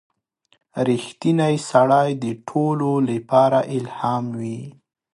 • رښتینی سړی د ټولو لپاره الهام وي.